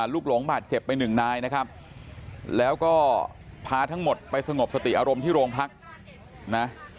ลูกหลงบาดเจ็บไปหนึ่งนายนะครับแล้วก็พาทั้งหมดไปสงบสติอารมณ์ที่โรงพักนะ